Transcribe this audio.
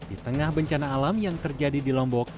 di tengah bencana alam yang terjadi di lombok